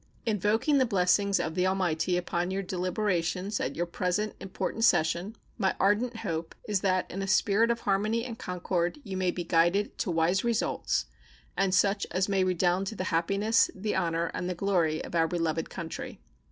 Invoking the blessings of the Almighty upon your deliberations at your present important session, my ardent hope is that in a spirit of harmony and concord you may be guided to wise results, and such as may redound to the happiness, the honor, and the glory of our beloved country.